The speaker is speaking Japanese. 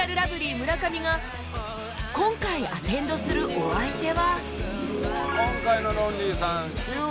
村上が今回アテンドするお相手は